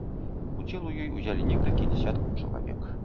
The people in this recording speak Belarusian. Удзел у ёй узялі некалькі дзясяткаў чалавек.